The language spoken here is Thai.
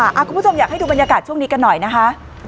คุณผู้ชมอยากให้ดูบรรยากาศช่วงนี้กันหน่อยนะคะ